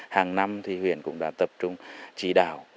hàng năm thì huyện cũng đã tập trung chỉ đạo